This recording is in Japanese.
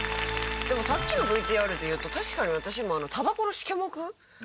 でもさっきのＶＴＲでいうと確かに私もタバコのシケモク。